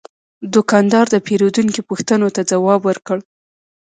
دوکاندار د پیرودونکي پوښتنو ته ځواب ورکړ.